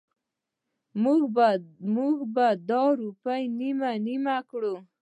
مونږ به دا روپۍ نیمې نیمې کړو.